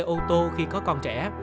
cách vận hành co hai khi có con trẻ